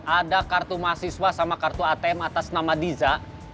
ada kartu mahasiswa sama kartu atm atas nama diza